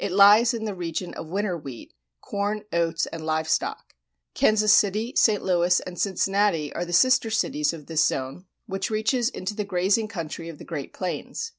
It lies in the region of winter wheat, corn, oats, and live stock. Kansas City, St. Louis, and Cincinnati are the sister cities of this zone, which reaches into the grazing country of the Great Plains.